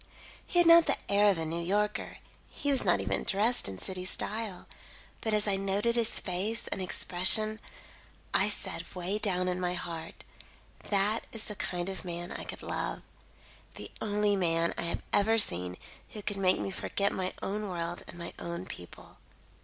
He had not the air of a New Yorker; he was not even dressed in city style, but as I noted his face and expression, I said way down in my heart, 'That is the kind of man I could love; the only man I have ever seen who could make me forget my own world and my own people.